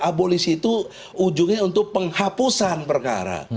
abolisi itu ujungnya untuk penghapusan perkara